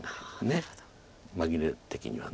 紛れ的には。